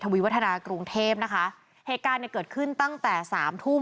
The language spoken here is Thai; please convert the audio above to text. วีวัฒนากรุงเทพนะคะเหตุการณ์เนี่ยเกิดขึ้นตั้งแต่สามทุ่ม